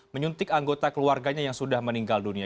menyuntik anggota keluarganya yang sudah meninggal dunia